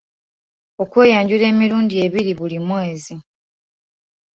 Okweyanjula emirundi ebiri buli mwezi.